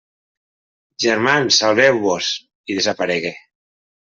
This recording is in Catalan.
«Germans, salveu-vos!», i desaparegué.